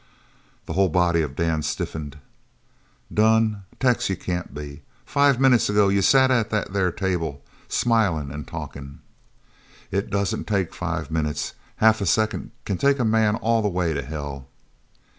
The whole body of Dan stiffened. "Done? Tex, you can't be! Five minutes ago you sat at that there table, smilin' an' talkin'!" "It doesn't take five minutes. Half a second can take a man all the way to hell!"